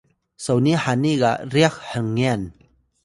soni hani ga ryax hngawan